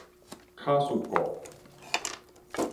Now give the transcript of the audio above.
巧士購